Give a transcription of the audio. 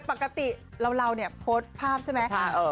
ปกติเราเนี่ยโพสต์ภาพใช่ไหม